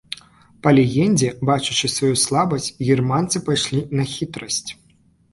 Па легендзе, бачачы сваю слабасць, германцы пайшлі на хітрасць.